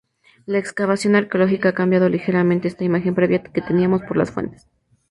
La excavación arqueológica ha cambiado ligeramente esta imagen previa que teníamos por las fuentes.